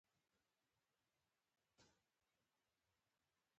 د سرخوږي لپاره ډیرې اوبه څښل گټه لري